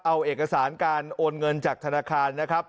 เอาเอกสารการโอนเงินจากธนาคารนะครับ